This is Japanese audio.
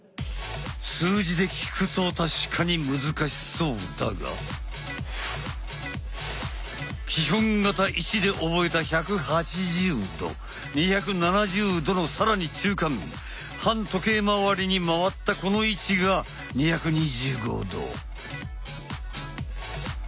数字で聞くと確かに難しそうだが基本形１で覚えた１８０度２７０度の更に中間反時計まわりに回ったこの位置が２２５度。